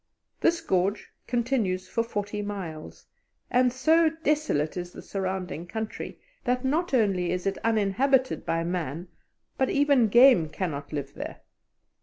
This gorge continues for forty miles, and so desolate is the surrounding country, that not only is it uninhabited by man, but even game cannot live there.